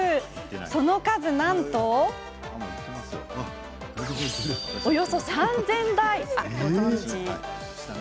その数、なんとおよそ３０００台。